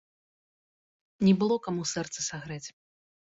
Не было каму сэрца сагрэць.